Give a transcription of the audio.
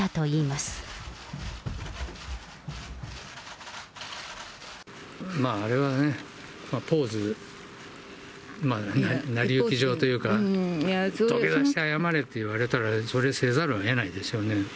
まああれはね、ポーズ、まあ成り行き上というか、土下座して謝れって言われたら、それせざるをえないでしょうね。